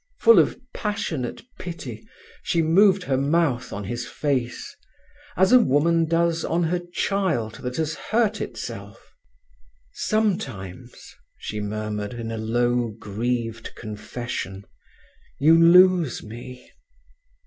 Full of passionate pity, she moved her mouth on his face, as a woman does on her child that has hurt itself. "Sometimes," she murmured, in a low, grieved confession, "you lose me."